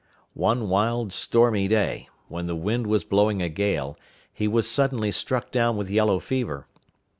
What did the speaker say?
One wild stormy day, when the wind was blowing a gale, he was suddenly struck down with yellow fever.